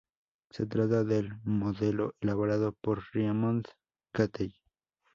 Se trata del modelo elaborado por Raymond Cattell.